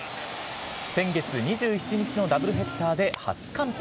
先月２７日のダブルヘッダーで初完封。